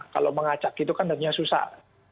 kalau mengacak itu kan artinya susah